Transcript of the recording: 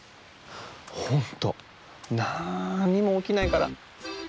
ほんとなんにもおきないから。